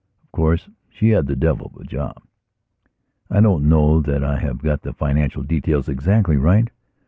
Of course she had the devil of a job. I don't know that I have got the financial details exactly right.